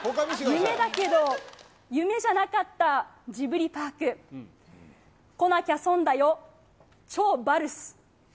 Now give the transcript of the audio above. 夢だけど夢じゃなかったジブリパーク。来なきゃ損だよ、超バルス。